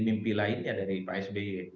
mimpi lainnya dari pak sby